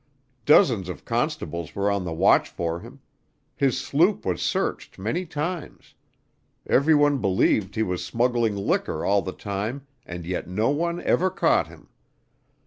Dozens of constables were on the watch for him; his sloop was searched many times; every one believed he was smuggling liquor all the time and yet no one ever caught him.